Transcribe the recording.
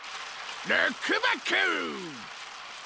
ルックバック！